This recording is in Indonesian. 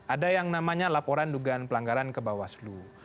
ada yang namanya laporan dugaan pelanggaran ke bawah seluruh